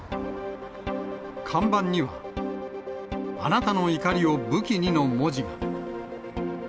看板には、あなたの怒りを武器にの文字が。